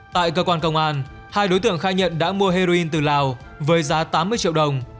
tại cơ quan công an hai đối tượng khai nhận đã mua heroin từ lào với giá tám mươi triệu đồng